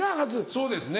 そうですね。